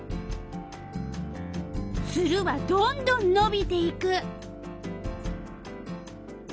ツルはどんどんのびていく。